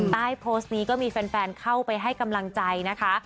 ใต้โพสต์นี้ก็มีแฟนเข้าไปให้กำลังใจนะคะ